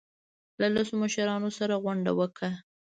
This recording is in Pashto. له لسو مشرانو سره غونډه وکړه.